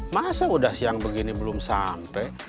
masa udah siang begini belum sampai